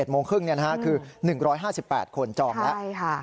โมงครึ่งคือ๑๕๘คนจองแล้ว